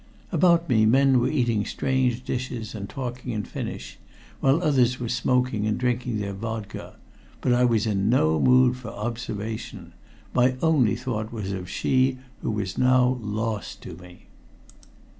About me men were eating strange dishes and talking in Finnish, while others were smoking and drinking their vodka; but I was in no mood for observation. My only thought was of she who was now lost to me.